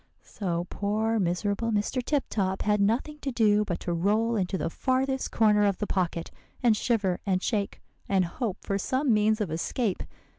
"So poor, miserable Mr. Tip Top had nothing to do but to roll into the farthest corner of the pocket, and shiver and shake, and hope for some means of escape.